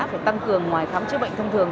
phải tăng cường ngoài khám chữa bệnh thông thường